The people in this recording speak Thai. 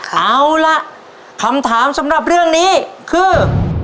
เอาล่ะคำถามสำหรับเรื่องนี้คือ